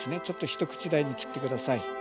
ちょっと一口大に切って下さい。